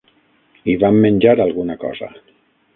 I vam menjar alguna cosa.